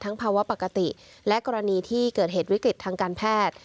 ภาวะปกติและกรณีที่เกิดเหตุวิกฤตทางการแพทย์